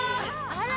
あら！